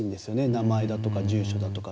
名前だとか住所とか。